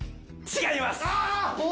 違います。